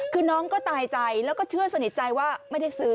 คือน้องก็ตายใจแล้วก็เชื่อสนิทใจว่าไม่ได้ซื้อ